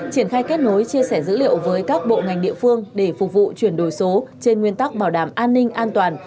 triển khai kết nối chia sẻ dữ liệu với các bộ ngành địa phương để phục vụ chuyển đổi số trên nguyên tắc bảo đảm an ninh an toàn